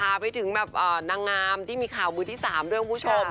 ไปถึงแบบนางงามที่มีข่าวมือที่๓ด้วยคุณผู้ชม